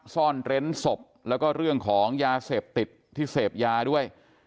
ซ่อนเร้นศพแล้วก็เรื่องของยาเสพติดที่เสพยาด้วย